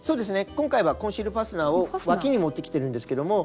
今回はコンシールファスナーをわきにもってきてるんですけども。